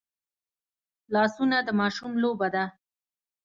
لاسونه د ماشوم لوبه ده